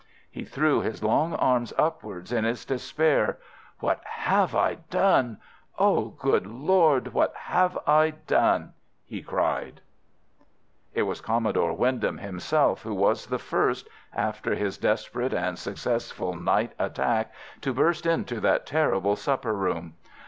He threw his long arms upwards in his despair. "What have I done? Oh, good Lord, what have I done?" he cried. It was Commodore Wyndham himself who was the first, after his desperate and successful night attack, to burst into that terrible supper room.